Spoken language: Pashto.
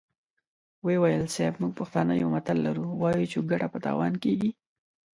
ويې ويل: صيب! موږ پښتانه يو متل لرو، وايو چې ګټه په تاوان کېږي.